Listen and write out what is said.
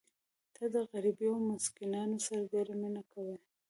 ته د غریبو او مسکینانو سره ډېره مینه کوې.